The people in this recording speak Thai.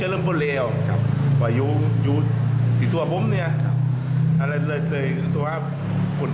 โหลายกาก